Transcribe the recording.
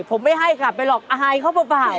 ผมไม่ให้ค่ะไปหลอกอาหารเขาไป